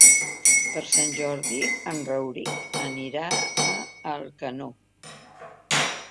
Per Sant Jordi en Rauric anirà a Alcanó.